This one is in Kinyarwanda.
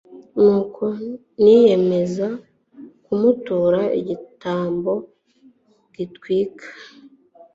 nuko niyemeza kumutura igitambo gitwikwa